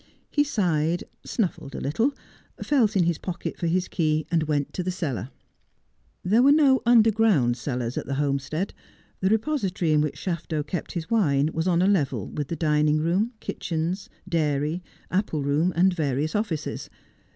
He sighed, snuffled a little, felt in his pocket for his key, and went to the cellar. There were no underground cellars at the Homestead. The repository in which Shafto kept his wine was on a level with R 242 Just as I Am. the dining room, kitchens, dairy, apple room, and various offices.